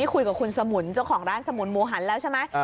คุยกับคุณสมุนเจ้าของร้านสมุนหมูหันแล้วใช่ไหม